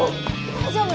大丈夫？